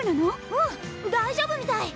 うん大丈夫みたい！